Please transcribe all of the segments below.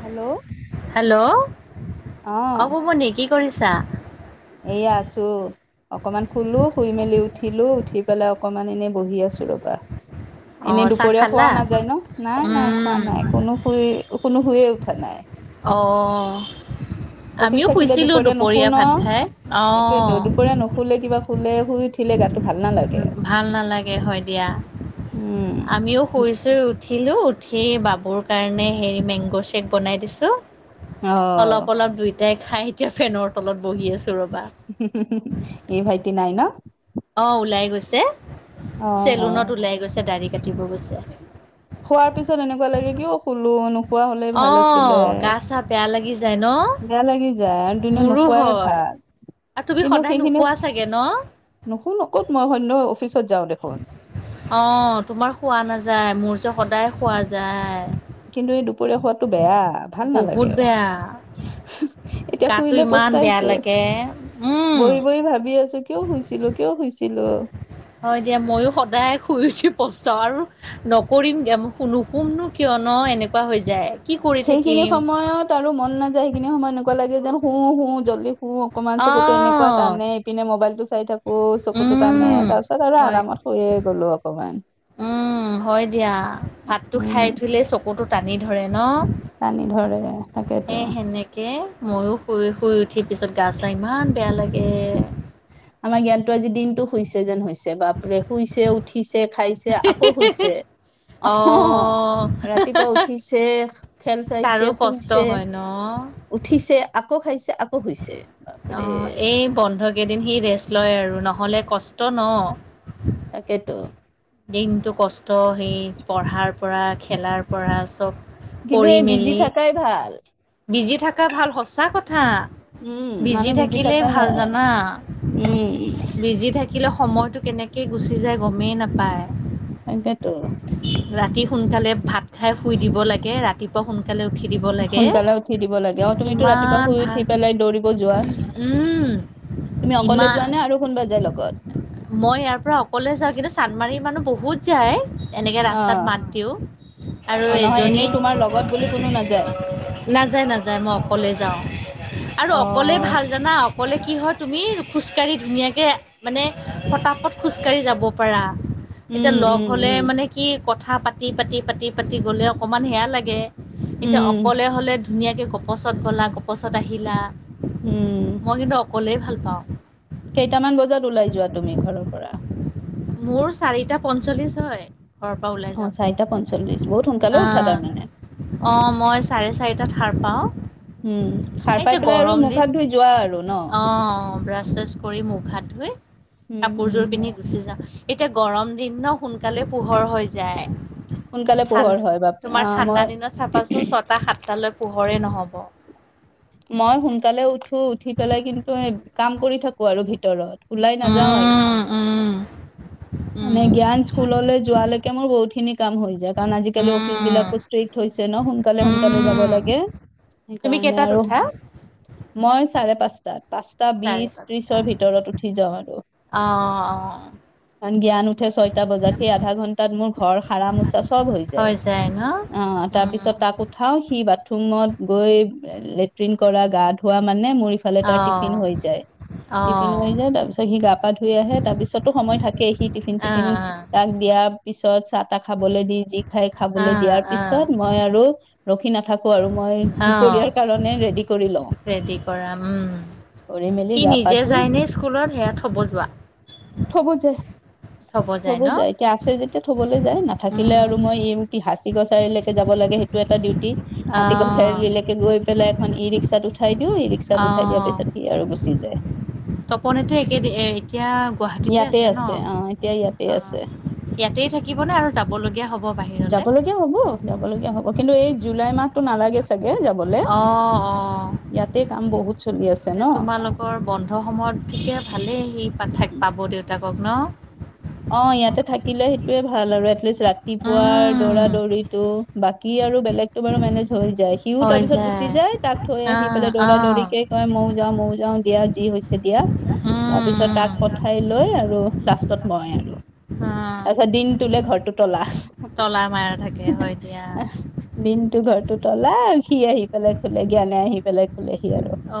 Hello, hello, অ', বুবনী কি কৰিছা? এয়া আছো। অকমান শুলো, শুই মেলি উঠিলো উঠি পেলাই অকমান এনেই বহি আছো ৰবা। অ এনে চাহ দুপৰীয়া খোৱা খালা নাযায় ন' নাই -নাই খোৱা উম নাই কোনো শুই কোনো শুই উঠা নাই অ অফিচ আমিও থাকিলে শুইছিলোঁ দুপৰীয়া নুশু ন ভাত খাই ' অ সেইটোয়েটো দুপৰীয়া নুশুলে কিবা শুলে শুই উঠিলে গাটো ভাল নালাগে। ভাল নালাগে হয় দিয়া উম আমিও শুইু চুই উঠিলো উঠি সেই বাবুৰ কাৰণে হে মেংগ শ্বেক বনাই দিছো অ অলপ- অলপ দুইটাই খাই এতিয়া ফেনৰ তলত বহি আছোঁ ৰ'বা [unintelligible] এই ভাইটি নাই ন? [unintelligible] অহ, ওলাই গৈছে অ অ চেলুনত ওলাই গৈছে দাঢ়ি কাটিব গৈছে। খোৱাৰ পিছত এনেকুৱা লাগে কিয় শুলো নুশুৱা হলেই অ ভাল আছিলে গা চা বেয়া লাগি যায় ন বেয়া লাগি যায় আৰু দুন মোৰো নোখোৱাই হয় ভাল। আৰু তুমি কিন্তু, সদায় সেইখিনি নোখোৱা চাগে ন নুশু ন'কত মই সন্য অফিচত যাওঁ দেখোন। অ', তোমাৰ শুৱা নাযায় মোৰ যে সদায় শুৱা যায়। কিন্তু, এই দুপৰীয়া শুৱাটো বেয়া ভাল বহুত নালাগে। বেয়া এতিয়া গাটো ফুৰিলৈ ইমান বেয়া পস্তাইছো লাগে উম বহি -বহি ভাবি আছো কিয় শুইছিলো- কিয় শুইছিলো হয় দিয়া ময়ো সদায় শুই উঠি পষ্টাও আৰু নকৰিমগে মই নুশুম ন' 'কিয় ন'এনেকুৱা হৈ যায়। কি কৰি সেইখিনি থাকিম সময়ত আৰু মন নাযায় সেইখিনি সময়ত এনেকুৱা লাগে যেন শু - শু জল্ডি শু অকমান চকুতো এনেকুৱা অঁ টানে এইপিনে মোবাইল টো চাই থাকো চকুতো টানে উম তাৰ পিছত আৰু হয় আৰামত শুয়ে গ'লো অকমান। উম, হয় দিয়া ভাতটো উম খাই উঠিলেই চকুটো টানি ধৰে। ন' টানি ধৰে তাকেতো। এই সেনেকে মইও শুই- শুই উঠি পিছত গা চা ইমান বেয়া লাগে। আমাৰ জ্ঞানটো আজি দিনটো শুইছে যেন হৈছে বাপৰে শুইছে উঠিছে। খাইছে আকৌ শুইছে অহ-হ -হ অঁ ৰাতিপুৱা উঠিছে খেল তাৰো চাইছে, কষ্ট শুইছে, হয় ন উঠিছে আকৌ খাইছে আকৌ শুইছে। বাপৰে অহ, এই বন্ধ কেইদিন সি ৰেষ্ট লয় আৰু নহ'লে কষ্ট ন' তাকেতো দিনটো কষ্ট সেই পঢ়াৰ পৰা খেলাৰ পৰা চব। কিন্তু কৰি এই বিজি মেলি থাকাই ভাল। বিজি থাকা ভাল সঁচা কথা। উম বিজি মানুহ থাকিলেই থাকাই ভাল জানা উম বিজি থাকিল আহিলে সময়তটো কেনেকে গুচি যায় গমেই নাপায়। তাকেটো ৰাতি সোনকালে ভাত খাই শুই দিব লাগে ৰাতিপুৱা সোনকালে উঠি দিব লাগে। সোনকালে উঠি দিব লাগে অ তুমিতো ৰাতিপুৱা ইমান শুই ভাল উঠি পেলাই দৌৰিব যোৱা উম তুমি অকলে ইমান যোৱা নে আৰু কোনোবা যাই লগত। মই ইয়াৰ পৰা অকলে যাওঁ কিন্তু চান্দমাৰি মানহ বহুত যায়। এনেকৈ ৰাস্তাত অ' মাত দিওঁ আৰু অ' নহয় এজনী এনেই তোমাৰ লগত বুলি কোনো নাযায় নাযায় নাযায় মই অকলে যাওঁ আৰু অকলেই অ' ভাল জানা অকলে কি হয় তুমি খোজকাঢ়ি ধুনীয়াকৈ মানে পতা পত খোজকাঢ়ি যাব পাৰা এতিয়া উম লগ উম হ'লে উম মানে কি কথা পাতি পাতি পাতি পাতি গ'লে অকমান সেয়া লাগে। এতিয়া উম অকলে হলে ধুনীয়াকে গপচত গলা গপচত আহিলা। উম। ক'লেই ভাল পাওঁ। কেইটামান বজাত ওলাই যোৱা তুমি ঘৰৰ পৰা। মোৰ চাৰিটা পঞ্চল্লিশ হয়। ঘৰৰ পৰা ওলাই অ যাওঁতে চাৰিটা পঞ্চল্লিশ বহুত সোনকালে উঠা আহ তাৰমানে অ মই চাৰে চাৰি। সাৰ পাওঁ। উম সাৰ পাই এতিয়া পেলাই আৰু গৰম মুখ দিন হাত ধুই যোৱা আৰু ন অ ব্ৰাছেছ কৰি মুখাত ধুই উম উম কাপোৰযোৰ পিন্ধি গুচি যাওঁ। এতিয়া গৰম দিন ন সোনকালে পোহৰ হৈ যায় সোনকালে থান পোহৰ হয় বাপ তোমাৰ অ ঠাণ্ডা মই দিনত চাবাচোন ছয়টা সাতটালৈ পোহৰে নহ'ব। মই সোনকালে উঠো উঠি পেলাই কিন্তু কাম কৰি থাকো আৰু ভিতৰত ওলাই নাযাওঁ আৰু উম, উম, মানে উম, জ্ঞান স্কুললৈ যোৱালৈকে মোৰ বহুতখিনি কাম হৈ যায়। কাৰণ আজিকালি অফিচ উম, বিলাকো ষ্ট্ৰিক্ট হৈছে ন সোনকালে সোনকালে যাব উম। লাগে। তুমি সেইকাৰণে কেইটাত আৰু উঠা? মই চাৰে পাঁচটাত পাঁচটা বি চাৰে পাঁচটা ত্ৰিশৰ ভিতৰত উঠি যাওঁ আৰু অ', অ', কাৰণ জ্ঞান উঠে ছয়টা বজাত সেই আধা ঘন্টাত মোৰ ঘৰ সাৰ মোচা চব হৈ যায় অ তাৰ উম, পিছত তাক উঠাও সি বাট থৰুমত গৈ লেট্ৰিন কৰা গা ধোৱা মানে মোৰ ইফালে তাৰ টিফিন অ', হৈ যায়। টিফিন অ', মাৰি যায় তাৰপিছত সি গা পা ধুই আহে তাৰপিছতো সময় থাকে সি টিফিন আ, চিফিন তাক দিয়া। পিছত চাহ তাহ খাবলৈ দি যি খাই আ, আ, খাবলৈ দিয়াৰ আ। পিছত মই আৰু ৰখি নাথ থাকো আৰু মই অ' দুপৰীয়াৰ কাৰণে কৰি লওঁ ৰেডি কৰা উম কৰি মেলি সি গা পা নিজে ধুই যায়নে স্কুলত সেয়া থ'ব যোৱা। থব যে থ'ব থবো ন? যায় এতিয়া আছে যেতিয়া থবলৈ যায় নাথাকিলে আৰু মই এই হাতী গড় চাৰিআলিলৈকে যাব লাগে সেইটো এটা ডিউটি হাতীগড় অ' চাৰিআলি লৈকে গৈ পেলাই এখন ই ৰিক্সাত উঠাই দিও ই ৰিক্সাত উঠাই দিয়াৰ অ' পিছত সি আৰু গুচি যায়। তপনেতো একেদ এ এতিয়া। গুৱাহাটীতে ইয়াতে আছে ন অ এতিয়া ইয়াতে অঁ আছে ইয়াতেই থাকিবনে আৰু যাবলগীয়া হ'ব। বাহিৰলে? যাব লগীয়া হ'ব যাব লগগীয়া হ'ব কিন্তু এই জুলাই মাহতটো নালাগে চাগে। যাবলৈ অ' অ' ইয়াতে কাম বহুত চলি আছে তে ন তোমালোকৰ বন্ধ সময়ত ঠিকে ভালে সিঠ পাব দেউতাক সপ্ন [unintelligible] অ ইয়াতে থাকিলে সেইটোৱে ভাল আৰু এতলিষ্ট ৰাতিপুৱাৰ দৌৰা উম দৌৰিতটো বাকী আৰু বেলেগতটো বাৰু মেনেজ থৈ যায় সিও তাৰপিছত গুচি যায় তাত থৈ আহি পেলাই অ' দৌৰা অ' দৌৰিকে কয় ময়ও যাওঁ ময়ো যাওঁ দিয়া। যি হৈছে দিয়া তাৰ উম পিছত তাক পঠাই লৈ আৰু লাষ্টত মই আৰু উম অ'। তাৰিছত দিন তুলে ঘৰটো তলা তলা মাৰা থাকে হয় দিয়া দিনটো ঘৰ টো তলা আৰু সি আহি পেলাই খোলে জ্ঞানে আহি পেলাই খোলে অ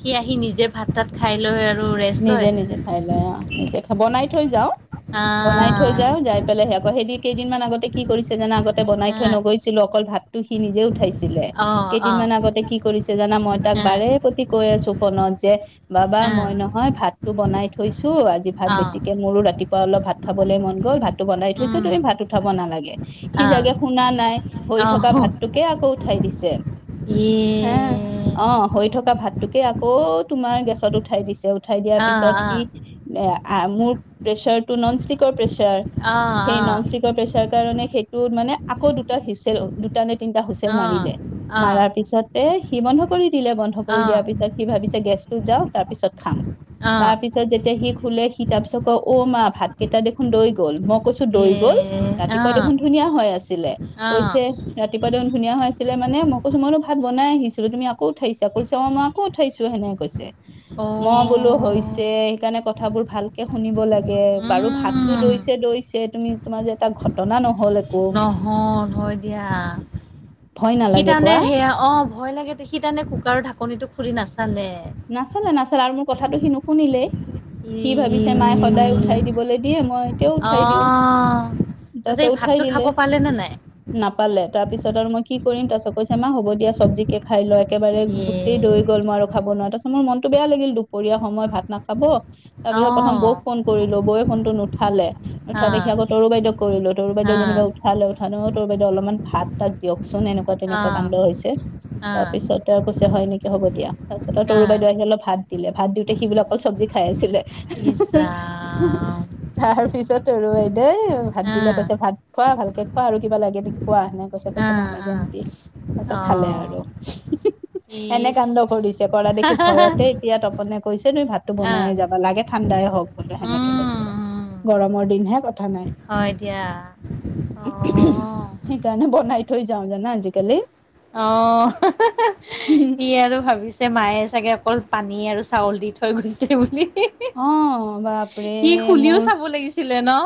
সি আহি নিজে ভাত তাত খাই লৈ আৰু ৰেষ্ট লয় নিজে নিজে খাই লয় আহ নিজে খাই বনাই থৈ যাওঁ বনাই থৈ আহ যাও যাই পেলাই সেই আকৌ সেই দিনমান আগতে কি কৰিছে যানা আগতে বনাই থৈ আহ নগৈছিলো অকল ভাতটো সি নিজেও উঠাইছিলে অ কেইদিন অ মান আগতে কি কৰিছে জানা মই তাক আহ বাৰে প্ৰতি কৈ আছো ফোনত যে বাবা আহ মই ন টো বনাই থৈছো আজি ভাত অ বেছিকে মোৰো ৰাতিপু অলপ ভাত খাবলৈ মন গ'ল ভাতো বনাই থৈছো উম তুমি ভাততো খাব নালাগে সি আহ জাগে শুনা নাই হৈৰি আহ থকা ভাতটোকে আকৌ উঠাই দিছে ইয়ে হা অ হৈ থকা ভাতটোকে আকৌ তোমাৰ গেছত উঠাই দিছে উঠাই আহ পিছত সি আহ যি অহ মোৰ পেচাৰটো ননইচটিকত প্ৰেচাৰ আহ আহ সেই ননইচটিকৰ প্ৰেচাৰ কাৰণে সেইটো মানে আকৌ দুটা সিচেল দুটা নে তিনটা হুইচেল আহ মাৰিলে মাৰ আহ পিছতে সি বন্ধ কৰি দিলে বন্ধ কৰি আহ দিয়াৰ পিছত সি ভাবিছে গেছতো যাওঁ তাৰ পিছত খাম আহ তাৰ পিছত যেতিয়া সি খোলে সি তাৰ পিছত ক অ মা ভাতকেইটা দেখোন দৈ গল মোক কৈছো দৈ ইয়ে গল ৰাতিপুৱা আহ দেখোন ধুনীয়া হৈ আছিলে আহ কৈছে ৰাতিপুৱা দেখোন ধুনীয়া হৈ আছিল মানে মই কৈছো মইতো ভাত বনাইিছিলো তুমি আকৌ উাইছ কৈছা মই আকৌ উঠাইছো সেনেকে কৈছে মই বোলো অ হৈছে সেইকাৰণে কথাবোৰ ভালকে শুনিব লাগে বাৰু ভাততো উম দৈছে দৈছে তুমি তোমাৰ যে এটা ঘটনা নহ'ল একো নহয় নহয় দিয়া ভয় সি নালাগে তাৰমানে কোৱা সেয়া অ ভয় লাগে তে সিকাৰণে কোকাৰৰ ঢাকনিটো খুলি নাছিল নাচালে নাচালে আৰু মোৰ কথাটো সি নুশুনিলেই সি ই ভাবিছে মায়ে সদায় উঠাই দিবলৈ দিয়ে মই এতিয়াও অ' উঠাই দিওঁ তাৰপিছত এই উঠাই ভাতটো দিলে খাব পালে নে নাই? নাপালে তাৰপিছত তাৰপছত আৰু মই কি কৰিম তাৰপিছত কৈছে মা হ'ব দিয়া চবজিকে খাই ল একেবাৰে গোটেই ইয়ে দৈ গ'ল মই আৰু খাব নোৱাৰো তাৰছ মৰ মনতটো বেয়া লাগিল দুপৰীয়া সময় ভাত নাখাব তাৰপিছত প্ৰথম বৌক অ' ফোন কৰিলো বৌক ফোনটো নুঠালে অ' নুঠা দেখি আকৌ তৰু বাইদেউক কৰিলো তৰু বাইদেউক অ' যেনিবা উঠালে উঠা নে তোৰ বাইদে অলপমান ভাত তাত দিয়ক চোন এনেকোৱা তেনেকোৱা কাণ্ড অ' হৈছে অ' তাৰ পিছত আৰু কৈছে হয় নেকি হ'ব দিয়া তাৰ পিছত তৰু অ' বাইদে অল ভাত দিলে ভাত দিওঁতে সি বোলে অকল চব্জি খাই আছিলে ইছ ৰাম তাৰ পিছত তৰু এই দেই ভাত দিলে অ' কৈছে ভাত খোৱা ভাল কোৱা আৰু কিবা লাগে নেকি কোৱাহ নে কৈছে কৈছে অ' নালাগে অ' এমতি তাৰিছত খালে অ' আৰু এনে ইছ কাণ্ড কৰিছে কৰা দেখি ভয়তে এতিয়া তপনে কৈছে ন ভাতটো বনাইে অ' যাবা লাগে ঠাণ্ডাই হওক বোলে সেনেকে উম কৈছে উম গৰমৰ দিন হে ক হয় দিয়া অ' সেইকাৰণে বনাই থৈ যাওঁ জানা আজিকালি অ সি আৰু ভাবিছো যে মায়ে চাগে অকল পানী আৰু চাউল দি থৈ গৈছে বুলি অ বাপৰে সি মোৰ খুলিও চাব লাগিছিলে ন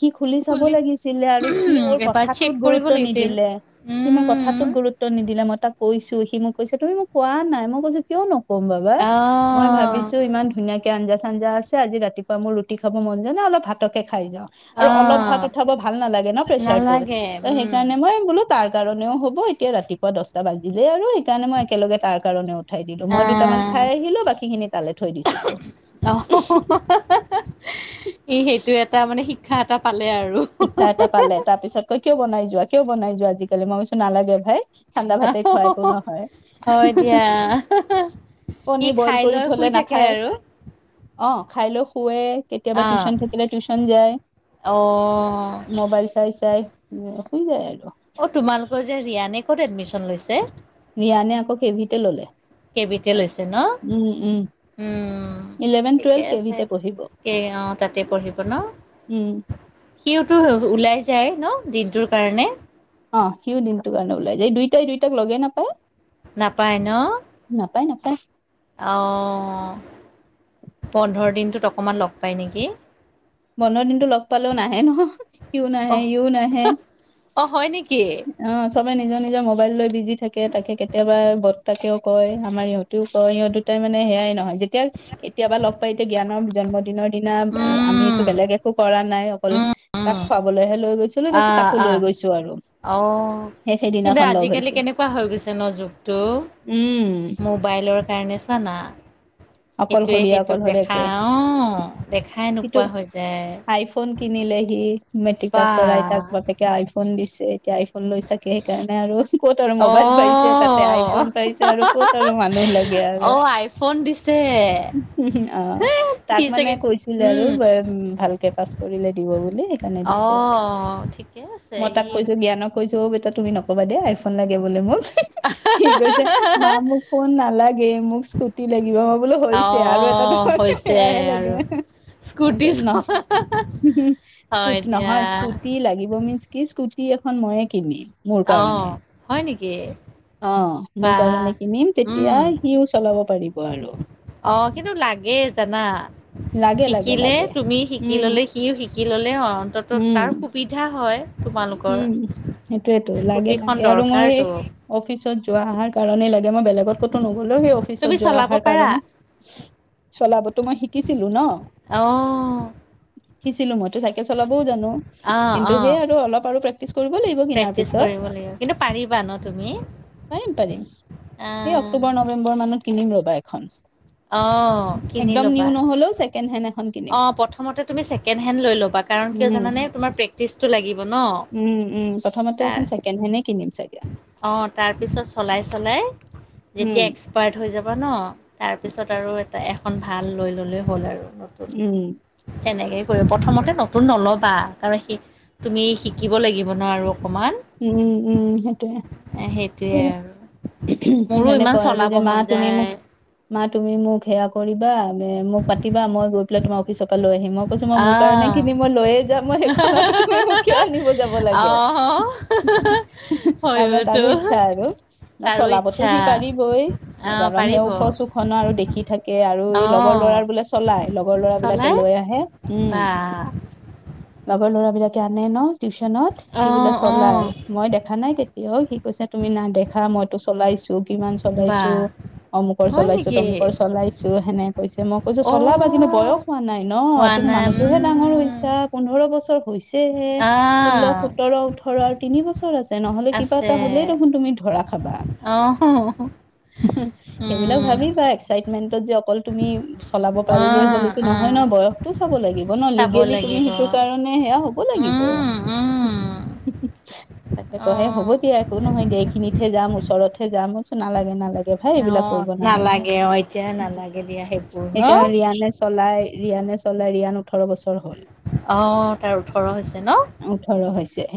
সি খুলি চাব লাগিছিলে আৰু সি মোৰ এবাৰ চেক কথাটোত কৰিব গুৰুত্ব লাগিছিল। নিদিলে সি মই উম কথাটোক গুৰুত্ব নিদিলে মই তাক কৈছো সি মোক কৈছে তুমি মোক কোৱা নাই মই কৈছো কিয়নো কম ৰবা মই আহ ভাবিছো ইমান ধুনীয়াকে আঞ্জা আঞ্জা আচে আজি ৰাতিপুৱা মোৰ ৰুটি খাব মন যোৱা নাই অলপ ভাতকে খাই যাওঁ আৰু অলপ আহ ভাত উঠাব ভাল নালাগে ন প্ৰেচাৰটোত নালাগে ত উম সেইকাৰণে মই বোলো তাৰ কাৰণেও হ'ব এতিয়া ৰাতিপুৱা দহটা বাজিলে আৰু। সেই কাৰণে মই একেলগে তাৰ কাৰণে উঠাই দিলো, মই দুটামান আহ খাই আহিলো বাকী খিনি তালৈ থৈ দিছিলো। [unintelligible] অ ই সেইটো এটা মানে শিক্ষা এটা প শিক্ষা এটা পালে, তাৰ পিছত কয় কিয় বনাই যোৱা? কিয় বনাই যোৱা? আজিকালি মই কৈছো নালাগে ভাই। ঠাণ্ডা ভাতেই খোৱা একো নহয়। হয় দিয়া ই কণী বইল খাই কৰি লৈ শুই থলে থাকে নাখায় আৰু অ। খাই লও শুৱে কেতিয়াবা আহ টিউশ্যন থাকিলে টিউশচন যায়। অ মোবাইল চাই চাই স হৈ যায়। অ তোমালোকৰ যে ৰিয়ানে ক'ত এডমিশন লৈছে? ৰিয়ানে আকৌ কেভিতে ললে। কেভিটে লৈছে ন উম উম উম। ইলেভেন ঠিকে টুৱেলভ আছে কেভিতে পঢ়িব এই অ তাতে পঢ়িব ন? উম সিওতো ওলাই যায় ন দিনটোৰ কাৰণে? অ সিও দিনটোৰ কাৰণে ওলাই যায় দুইটাই দুইটাক লগে নাপায়। নাপায় ন। নাপায় নাপায় অঁ বন্ধৰ দিনটোত অকণমান লগ পায় নেকি? বন্ধ দিনতটো লগ পালেও নাহে ন সিও নাহে অহ ইও নাহে। অ হয় নেকি অ চবে নিজৰ নিজৰ মজ মোবাইল লৈ বিজি থাকে, তাকে কেতিয়াবা বত তাকেও কয় আমাৰ ইহঁতেও কয় ইিহঁত দুটাই মানে সেয়াই নহয়। যেতিয়া কেতিয়াবা লগ পাই এতিয়া জ্ঞানৰ জন্মদিনৰ দিনা উম আমিটো বেলেগ একো কৰা নাই অকল তাক খুৱাবলৈহে লৈ গৈছিলো। তাকো লৈ গৈছো আৰু। অঁ সেই কিন্তু সেইদিনাখন লগ আজিকালি হৈছে কেনেকুৱা হৈ গৈছে ন যুগটো! উম মোবাইলৰ কাৰণে চোৱা না। এইটোৱে অকলশৰীয়া সেইটোক দেখা অকলশৰীয়াকে অ দেখাই নোপোৱা হৈ যায় সটো আইফোন কিনি মিলেহি। মেট্ৰিক পাছ বা কৰাই তাক বাপেকে আইফোন দিছে, এতিয়া আইফোন লৈ থাকে সেইকাৰণে আৰু ক'ত আৰু মোবাইল পাইছে তাতে অ আইফোন পাইছে আৰু ক'ত আৰু মানুহ লাগে অ আৰু। আইফোন দিছে অ সি তাক মানে চাগে কৰিছিলে আৰু উম ভালকে পাছ কৰিলে দিব বুলি। সেইকাৰণে অ দিছে আৰু। ঠিকে আছে মই তাক ই কৈছো জ্ঞানক কৈছো ব তুমি নকবা দে আই ফোন লাগে বোলি মোক [unintelligible] সি কৈছে মা মোক ফোন নালাগে মোক স্কুটি লাগিব। বোলো অ হৈছে আৰু এটা ডখৰ হৈছে সেয়াহে আৰু লাগে। অ স্কুটি নহ হয় এতিয়া নহয় স্কুট স্কুটি লাগিব মিন্ কি স্কুটি এখন মইয়ে কিনি মোৰ অ কাৰণে হয় নেকি অ। মোৰ বা কাৰণে কিনিম উম তেতিয়া সিও চলাব পাৰিব আৰু। অ কিন্তু লাগে জানা। লাগে লাগে শিকিলে লাগে তুমি শিকি উম, ললে সিও শিকি ললে অন্তত উম। তাৰ সুবিধা হয় তোমালোক। উম সেইটোয়েতো লাগে লাগে আৰু মোৰ সেই দৰকাৰতো অফিচত যোৱা অহাৰ কাৰণেই লাগে। মই বেলেগত ক'তো নগ'লো সেই অফিচত তুমি যোৱা চলাব অহাৰ পাৰা কাৰণে। চলাবতো মই শিকিছিলো ন অ শিকিছিলো মই। চাইকেল চলাবও জানো অ কিন্তু সেই অ আৰু অলপ। প্ৰেক্টিছ কৰিব লাগিব কিনাৰ প্ৰেক্টিচ পিছত, কৰিব লাগিব কিন্তু পাৰিবা ন তুমি পাৰিম পাৰিম। এই অক্টোবৰ নৱেম্বৰ মানত কিনিম ৰবা এখন। অ কিনি একদম ল'বা নিউ নহলেও ছেকেণ্ড হেণ্ড এখন কিনিম। অ প্ৰথমতে তুমি ছেকেণ্ড হেণ্ড লৈ ল'বা কাৰণ উম, কিয় জানে তোমাৰ প্ৰেক্টিচটো লাগিব ন। উম উম প্ৰথমতে এখন ছেকেণ্ড হেণ্ডে কিনিম চাগে। অঁ তাৰপিছত চলাই চলাই উম, যেতিয়া এক্সপায়াৰ্ড হৈ যাবা ন। এ এখন ভাল লৈ ল'লে হ'ল আৰু নতুন উম, তেনেকেই। প্ৰথমতে নতুন নল'বা তাৰ স তুমি শিকিব লাগিব ন আৰু। অকণমান উম উম সেইটোৱে। সেইটোৱে আৰু মোৰো সেইকাৰণে ইমান কয় আৰু চলাব যে মা মন তুমি যায় মোক মা। তুমি মোক সেয়া কৰিবা মোক পাতিবা মই গৈ পেলাই তুমাৰ অফিচৰ পৰা লৈ আহিম। কৈছো মই মোৰ কাৰণে আহ খিনি মই লৈয়ে যাম মই সেইখন আৰু তুমি মোক কিয় আনিব যাব লাগে। হু হু। তাৰমানে তাৰো ইচ্ছা আৰু না তাৰো চলাবতো ইচ্ছা সি পাৰিবই আহ সেইকাৰণ সে পাৰিব ওখ কচু খনা আৰু দেখি থাকে। আৰু এই লগৰ আহ লৰাৰ বিলা চলাই লগৰ লৰা বিলাকে চলাই লৈ আহে উম। বা লগৰ ল'ৰাবিলাকে আনে ন টিউচনত সিবিলাক। আহ চলাই আহ মই দেখা নাই কেতিয়াও সি কৈছে তুমি নাইদেখা মইতো চলাইছো কিমান বা চলাইছো। অমুকৰ হয় চলাইছো নেকি তমুকৰ চলাইছো সেনেকে কৈছে মই কৈছো অ চলাবা কিন্তু বয়স হোৱা নাই ন। হোৱা তুমি নাই মানুহতোহে ডাঙৰ উম হৈছা পোন্ধৰ বছৰ হৈছেহে ষোল্ল আহ সোতৰ ওঠ আৰু তিনি বছৰ আছে নহলে কিবা এটা আছে হ'লেই দেখোন তুমি ধৰা খাবা। আহ সেইবিলাক উম ভাবি বা এক্সাইটমেন্টত যে অকল তুমি। চলাব পাৰিলেই হ'ল আহ এইটো নহয় আহ নয় বয়সটো চাব লাগিব ন চাব লিগেলি তুমি লাগিব সেইটো কাৰণে সেয়া হ'ব লাগিব উম উম ব তাকে অ কয় হ'ব দিয়া একো নহয় দিয়া এইখিনিতহে যাম ওচৰতহে যাম নালাগে নালাগে তঠাই ন এইবিলাক কৰিব নালাগে অ এতিয়া নালাগে দিয়া সেইবোৰ ন এতিয়া ৰিয়ানে চলাই ৰিয়ানে চলাই ৰিয়ান ওঠৰ বছৰ হল অ তাৰ ওঠৰ হৈছে ন ওঠৰ হৈছে